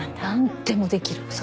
なんでもできる。